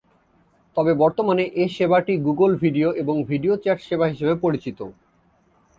তবে বর্তমানে এ সেবাটি গুগল ভিডিও এবং ভিডিও চ্যাট সেবা হিসেবে পরিচিত।